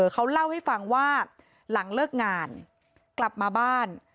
เขาเล่าให้ฟังว่าหลังเลิกงานกลับมาบ้าน